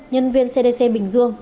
nhân viên cdc bình dương